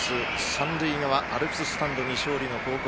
三塁側アルプススタンドに勝利の報告。